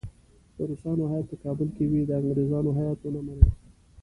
د روسانو هیات په کابل کې وي د انګریزانو هیات ونه مني.